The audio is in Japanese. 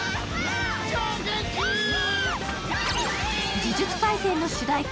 「呪術廻戦」の主題歌